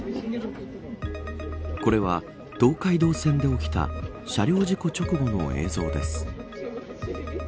これは東海道線で起きた車両事故直後の映像です。